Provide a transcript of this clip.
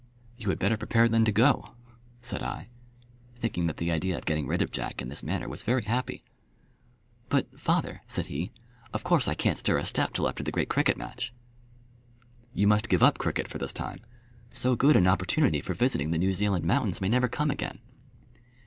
"You had better prepare then to go," said I, thinking that the idea of getting rid of Jack in this manner was very happy. "But, father," said he, "of course I can't stir a step till after the great cricket match." "You must give up cricket for this time. So good an opportunity for visiting the New Zealand mountains may never come again."